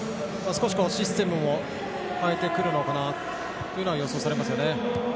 少しシステムを変えてくるのかなというのが予想されますね。